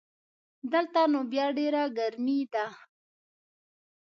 دلته نو بیا ډېره ګرمي ده